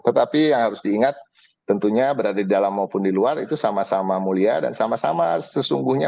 tetapi yang harus diingat tentunya berada di dalam maupun di luar itu sama sama mulia dan sama sama sesungguhnya